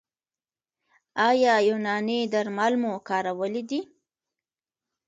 ایا یوناني درمل مو کارولي دي؟